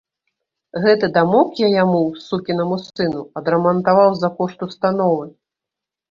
Гэты дамок я яму, сукінаму сыну, адрамантаваў за кошт установы.